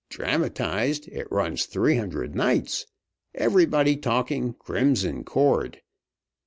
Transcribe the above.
Dramatized, it runs three hundred nights. Everybody talking Crimson Cord.